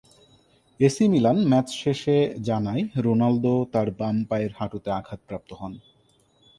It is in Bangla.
এসি মিলান ম্যাচ শেষে জানায় রোনাল্দো তার বাম পায়ের হাঁটুতে আঘাতপ্রাপ্ত হন।